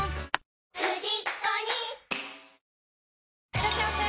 いらっしゃいませ！